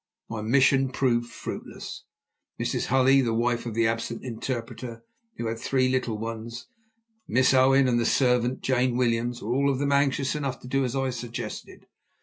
My mission proved fruitless. Mrs. Hulley, the wife of the absent interpreter, who had three little ones, Miss Owen and the servant, Jane Williams, were all of them anxious enough to do as I suggested.